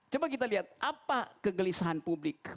coba kita lihat apa kegelisahan publik